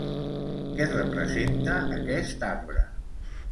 Què representa aquest arbre?